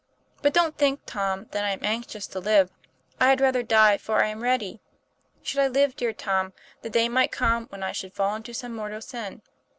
But don't think, Tom, that I am anxious to live; I had rather die, for I am ready. Should I live, dear Tom, the day might come when I should fall into some mortal sin.